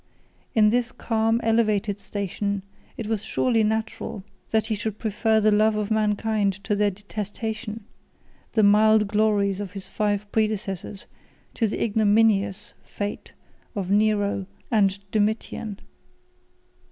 In this calm, elevated station, it was surely natural that he should prefer the love of mankind to their detestation, the mild glories of his five predecessors to the ignominious fate of Nero and Domitian.